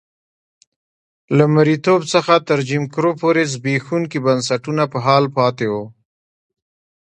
له مریتوب څخه تر جیم کرو پورې زبېښونکي بنسټونه په حال پاتې وو.